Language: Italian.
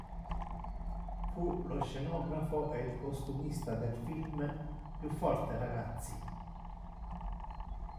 Fu lo scenografo ed il costumista del film "Più forte, ragazzi!